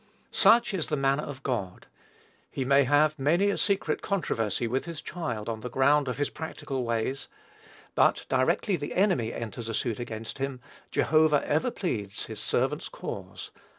Such is the manner of God: he may have many a secret controversy with his child on the ground of his practical ways; but directly the enemy enters a suit against him, Jehovah ever pleads his servant's cause.